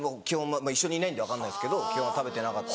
一緒にいないんで分かんないですけど基本食べてなかった。